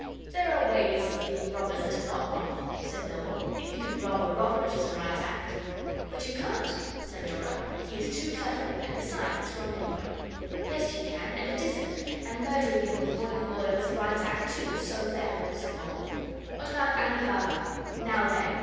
'There are ways of being robbers that are not wrong,' said Noel; 'if you can rob a robber it is a right act.' 'But you can't,' said Dora; 'he is too clever, and besides, it's wrong anyway.' 'Yes you can, and it isn't; and murdering him with boiling oil is a right act, too, so there!' said Noel. 'What about Ali Baba? Now then!